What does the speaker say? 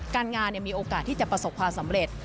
การงานมีโอกาสที่จะประสบความสำเร็จ